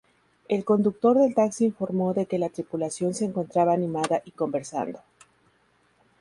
El conductor del taxi informó de que la tripulación se encontraba animada y conversando.